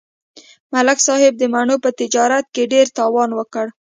ملک صاحب د مڼو په تجارت کې ډېر تاوان وکړ.